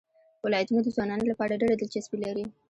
ولایتونه د ځوانانو لپاره ډېره دلچسپي لري.